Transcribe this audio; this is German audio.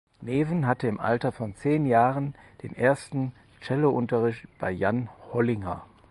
Neven hatte im Alter von zehn Jahren den ersten Cellounterricht bei Jan Hollinger.